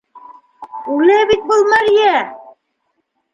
Үлә бит был мәрйә!